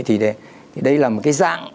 thì đây là một cái dạng